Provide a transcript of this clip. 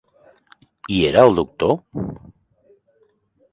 Hi era el doctor?